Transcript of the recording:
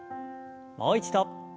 もう一度。